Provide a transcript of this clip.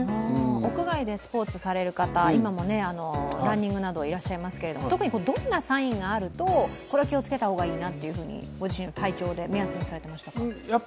屋外でスポーツされる方ランニングなどいらっしゃいますけど特にどんなサインがあるとこれは気をつけた方がいいというふうに、ご自身の体調、目安にされてましたか？